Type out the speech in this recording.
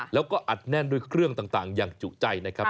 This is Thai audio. แล้วก็อัดแน่นด้วยเครื่องต่างอย่างจุใจนะครับ